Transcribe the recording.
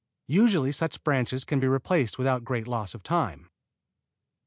Usually such branches can be replaced without great loss of time.